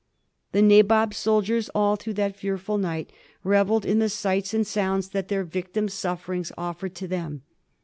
The Nabob's soldiers all through that fearful night revelled in the sights and sounds that their victims' sufferings offered to them.